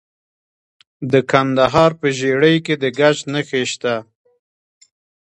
د کندهار په ژیړۍ کې د ګچ نښې شته.